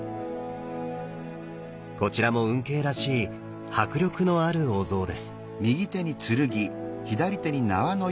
こちらも運慶らしい迫力のあるお像です。